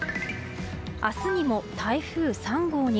明日にも台風３号に。